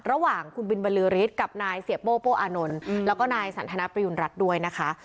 ระหว่างคุณบินบรือฤทธิ์กับนายเสียโป้โป้อานนท์แล้วก็นายสันทนประยุณรัฐด้วยนะคะ